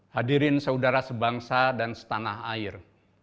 hadirin saudara sebangsa dan setanah air